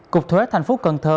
cục thuế thành phố cần thơ